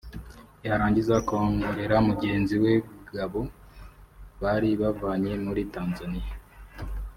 yarangiza akongorera mugenzi we Gabo bari bavanye muri Tanzania